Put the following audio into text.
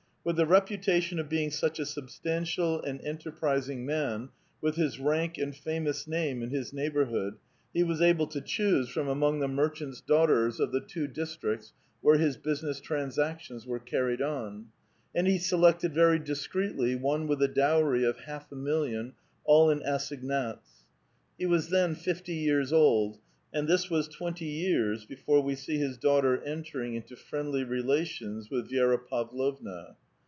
With the reputation of being such a substantial and enterprising man, with his rank and famous name in his neighborhood, he was able to choose from among the merchants' daughters of the two districts where his busi ness transactions were carried on ; and he selected very dis cretelv one with a dowrv of half a million, all in assignats. He was then fifty years old, and this was twenty years before we see his daughter entering into friendly relations with Vi<^ra Pavlovna.